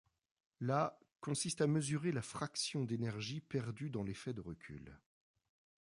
La consiste à mesurer la fraction d'énergie perdue dans l'effet de recul.